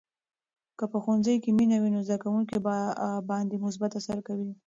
که په ښوونځي کې مینه وي، نو زده کوونکي باندې مثبت اثر کوي.